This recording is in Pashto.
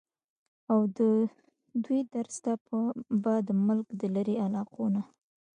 اود دوي درس ته به د ملک د لرې علاقو نه